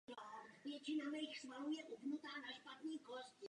Leží v departementu Savojsko.